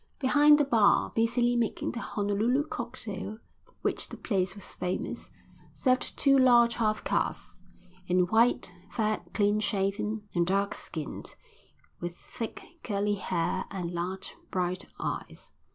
Behind the bar, busily making the Honolulu cocktail for which the place was famous, served two large half castes, in white, fat, clean shaven and dark skinned, with thick, curly hair and large bright eyes.